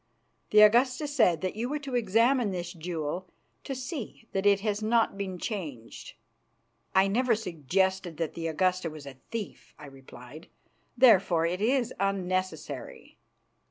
"The Augusta said that you were to examine this jewel to see that it has not been changed." "I never suggested that the Augusta was a thief," I replied, "therefore it is unnecessary."